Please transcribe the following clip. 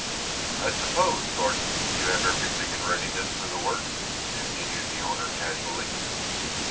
"I suppose, Thornton, you have everything in readiness for the work," continued the owner casually.